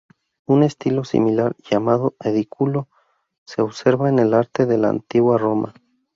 Un estilo similar, llamado edículo, se observa en el arte de la Antigua Roma.